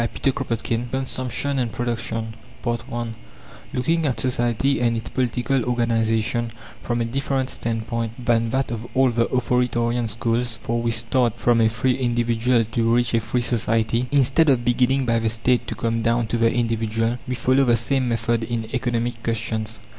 CHAPTER XIV CONSUMPTION AND PRODUCTION I Looking at society and its political organization from a different standpoint than that of all the authoritarian schools for we start from a free individual to reach a free society, instead of beginning by the State to come down to the individual we follow the same method in economic questions.